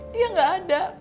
dia gak ada